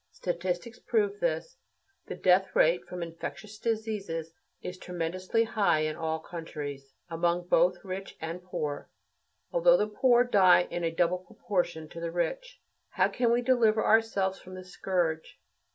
Statistics prove this: the death rate from infectious diseases is tremendously high in all countries, among both rich and poor, although the poor die in a double proportion to the rich. How can we deliver ourselves from this scourge?